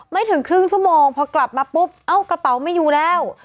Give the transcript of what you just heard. ถึงครึ่งชั่วโมงพอกลับมาปุ๊บเอ้ากระเป๋าไม่อยู่แล้ว